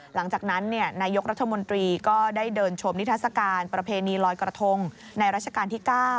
หลังจากนั้นนายกรัฐมนตรีก็ได้เดินชมนิทัศกาลประเพณีลอยกระทงในราชการที่๙